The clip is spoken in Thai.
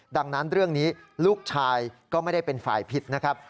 ดังนั้นเรื่องนี้ลูกชายก็ไม่ได้เป็นฝ่ายผิดนะครับ